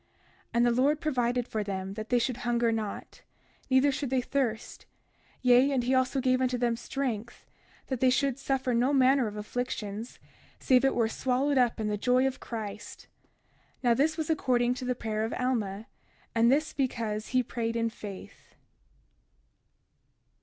31:38 And the Lord provided for them that they should hunger not, neither should they thirst; yea, and he also gave them strength, that they should suffer no manner of afflictions, save it were swallowed up in the joy of Christ. Now this was according to the prayer of Alma; and this because he prayed in faith.